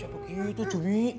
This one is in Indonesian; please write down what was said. ya gak bisa begitu jumi